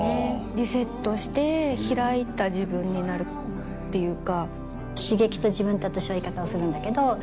リセットして開いた自分になるっていうか。